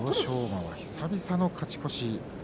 馬は久々の勝ち越し